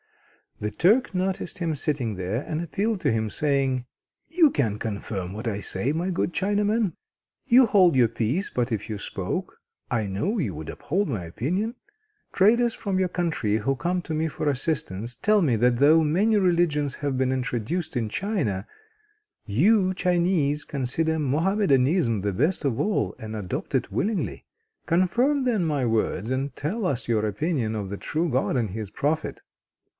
The Turk noticed him sitting there, and appealed to him, saying: "You can confirm what I say, my good Chinaman. You hold your peace, but if you spoke I know you would uphold my opinion. Traders from your country, who come to me for assistance, tell me that though many religions have been introduced into China, you Chinese consider Mohammedanism the best of all, and adopt it willingly. Confirm, then, my words, and tell us your opinion of the true God and of His prophet."